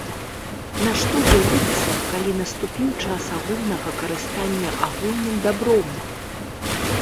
Нашто дзяліцца, калі наступіў час агульнага карыстання агульным дабром?